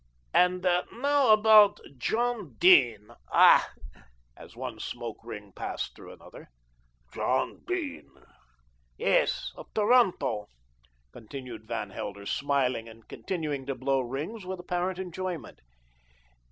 "And now about John Dene. Ah!" as one smoke ring passed through another. "John Dene!" "Yes, of Toronto," continued Van Helder, smiling and continuing to blow rings with apparent enjoyment.